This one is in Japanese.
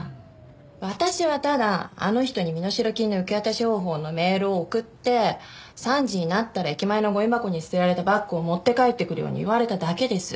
私はただあの人に身代金の受け渡し方法のメールを送って３時になったら駅前のゴミ箱に捨てられたバッグを持って帰ってくるように言われただけです。